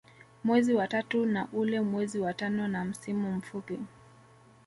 Mwezi wa tatu na ule mwezi wa Tano na msimu mfupi